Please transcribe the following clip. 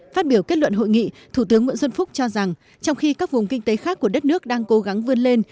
phát biểu kết luận hội nghị thủ tướng nguyễn xuân phúc cho rằng trong khi các vùng kinh tế khác của đất nước đang cố gắng vươn lên